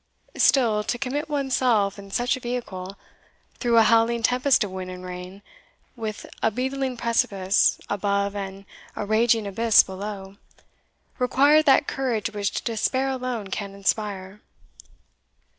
Still, to commit one's self in such a vehicle, through a howling tempest of wind and rain, with a beetling precipice above and a raging abyss below, required that courage which despair alone can inspire.